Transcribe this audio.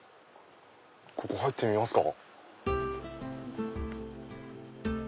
ここ入ってみますか。